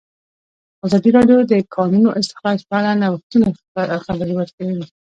ازادي راډیو د د کانونو استخراج په اړه د نوښتونو خبر ورکړی.